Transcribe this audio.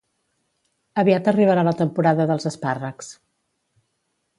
Aviat arribarà la temporada dels espàrrecs